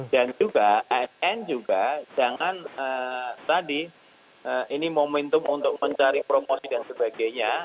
dan juga asn juga jangan tadi ini momentum untuk mencari promosi dan sebagainya